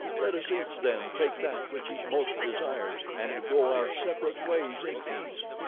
Let us each, then, take that which he most desires and go our separate ways in peace.